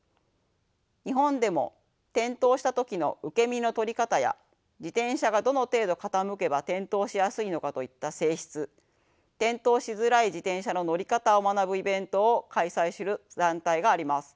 日本でも転倒した時の受け身の取り方や自転車がどの程度傾けば転倒しやすいのかといった性質転倒しづらい自転車の乗り方を学ぶイベントを開催する団体があります。